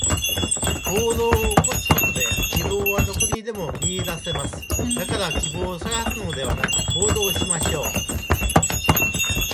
行動を起こすことで、希望はどこにでも見いだせます。だから希望を探すのではなく、行動しましょう。